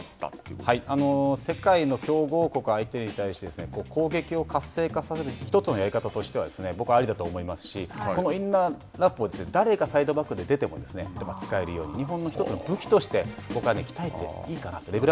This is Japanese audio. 世界の強豪国相手に対して攻撃を活性化させる１つのやり方としては僕はありだと思いますしこのインナーラップを誰がサイドバックで出ても使えるように日本の１つの武器として僕は鍛えていいかなと思います。